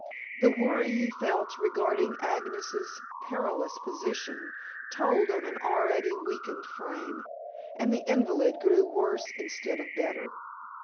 The worry he felt regarding Agnes's perilous position told on an already weakened frame, and the invalid grew worse instead of better.